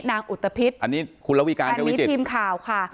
นางอุตพิษอันนี้คุณละวิการเจ้าวิจิตอันนี้ทีมข่าวค่ะ